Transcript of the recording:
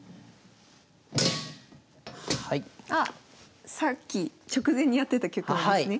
あっさっき直前にやってた局面ですね。